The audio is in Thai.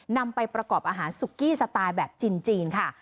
นำไปประกอบอาหารสุกี้สไตล์แบบจีนค่ะ